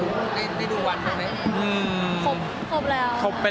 อุลุยาเรื่องนี้ควรไหม